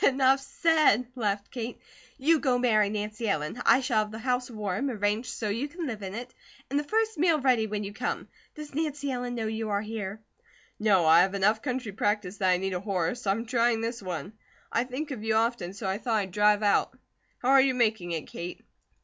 "Enough said," laughed Kate. "You go marry Nancy Ellen. I shall have the house warm, arranged so you can live in it, and the first meal ready when you come. Does Nancy Ellen know you are here?" "No. I have enough country practice that I need a horse; I'm trying this one. I think of you often so I thought I'd drive out. How are you making it, Kate?"